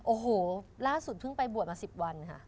โอ้โหล่าสุดเพิ่งไปบวชมา๑๐วันค่ะ